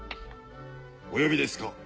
お呼びですか？